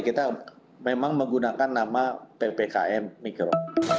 kita memang menggunakan nama ppkm mikro